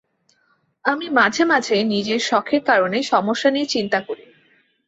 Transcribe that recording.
আমি মাঝে-মাঝে নিজের শখের কারণে সমস্যা নিয়ে চিন্তা করি।